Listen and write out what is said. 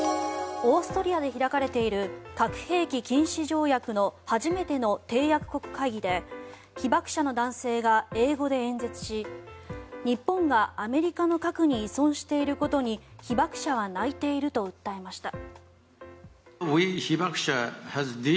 オーストリアで開かれている核兵器禁止条約の初めての締約国会議で被爆者の男性が英語で演説し日本がアメリカの核に依存していることに被爆者は泣いていると訴えました。